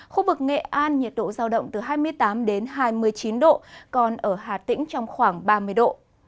khu vực nghệ an nhiệt độ giao động từ hai mươi tám đến hai mươi chín độ còn ở hà tĩnh trong khoảng ba mươi độ